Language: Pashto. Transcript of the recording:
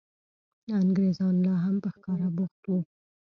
انګرېزان لا هم په ښکار بوخت وو.